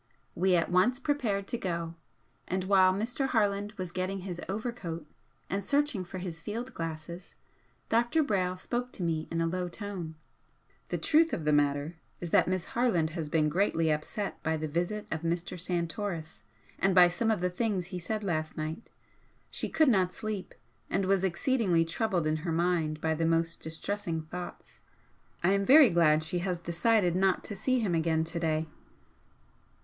We at once prepared to go, and while Mr. Harland was getting his overcoat and searching for his field glasses, Dr. Brayle spoke to me in a low tone "The truth of the matter is that Miss Harland has been greatly upset by the visit of Mr. Santoris and by some of the things he said last night. She could not sleep, and was exceedingly troubled in her mind by the most distressing thoughts. I am very glad she has decided not to see him again to day."